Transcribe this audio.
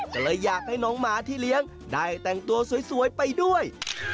ก็เลยอยากให้น้องหมาที่เลี้ยงได้แต่งตัวสวยไปด้วย